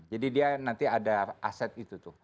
jadi dia nanti ada aset itu tuh